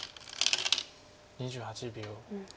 ２８秒。